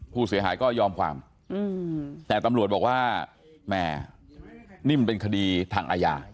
ผู้เสียหายก็ยอมความแต่ตำรวจบอกว่าแหม่นิ่มเป็นคดีทางอาญา